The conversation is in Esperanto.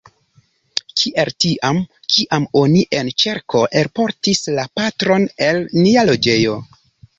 Kiel tiam, kiam oni en ĉerko elportis la patron el nia loĝejo.